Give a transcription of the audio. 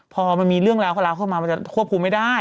พอมันมีเรื่องราวเข้ามามันจะควบคุมไม่ได้